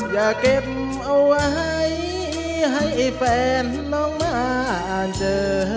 อย่าเก็บเอาไว้ให้แฟนน้องมาอ่านเจอ